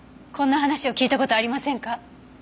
こんな話を聞いた事ありませんか？